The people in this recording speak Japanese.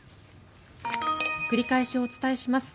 繰り返しお伝えします。